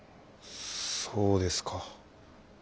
そうですか。